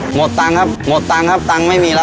หมดตังค์ครับหมดตังค์ครับตังค์ไม่มีแล้ว